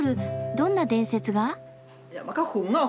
どんな伝説が？